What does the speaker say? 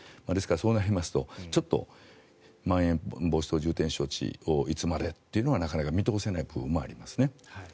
ですから、そうなりますとまん延防止等重点措置をいつまでというのはなかなか見通せない部分もありますね。